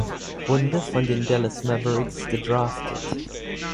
Runde von den Dallas Mavericks gedraftet.